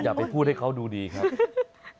อย่าไปพูดให้เขาดูดีครับ